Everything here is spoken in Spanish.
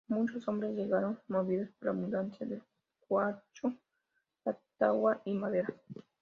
Muchos hombres llegaron movidos por la abundancia del caucho, la tagua y maderas.